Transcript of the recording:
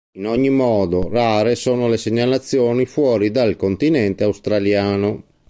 In ogni modo, rare sono le segnalazioni fuori dal continente australiano.